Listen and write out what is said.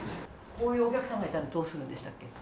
こういうお客さんがいたらどうするんでしたっけ？